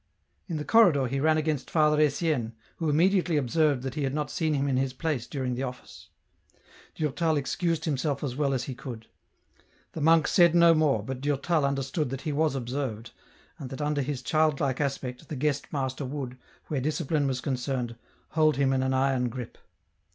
In the corridor he ran against Father Etienne, who immediately observed that he had not seen him in his place during the office. Durtal excused himself as well as he could. The monk said no more, but Durtal understood that he was observed, and that under his childlike aspect the guest master would, where discipline was concerned, hold him in an iron grip.